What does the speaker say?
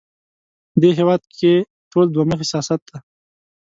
دې هېواد کې ټول دوه مخی سیاست دی